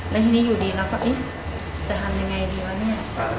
แล้วทีนี้อยู่ดีเราก็เอ๊ะจะทำยังไงดีวะเนี่ย